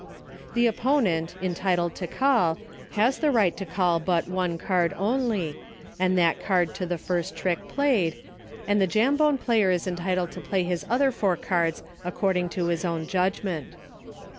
The opponent, entitled to call, has the right to call but one card only, and that card to the first trick played, and the Jam bone player is entitled to play his other four cards according to his own judgment.